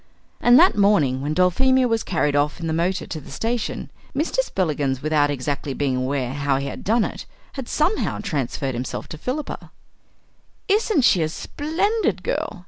And that morning when Dulphemia was carried off in the motor to the station, Mr. Spillikins, without exactly being aware how he had done it, had somehow transferred himself to Philippa. "Isn't she a splendid girl!"